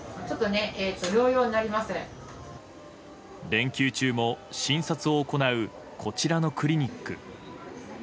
連休中も診察を行うこちらのクリニック。